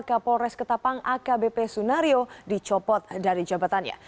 kapolres ketapang akbp sunario dicopot dari jabatannya